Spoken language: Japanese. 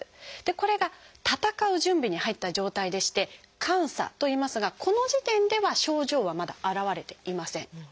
これが闘う準備に入った状態でして「感作」といいますがこの時点では症状はまだ現れていません。